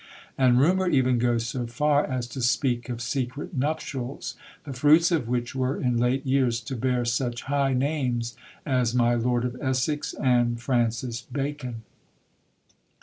And rumour even goes so far as to speak of secret nuptials, the fruits of which were, in late years, to bear such high names as my Lord of Essex and Francis Bacon.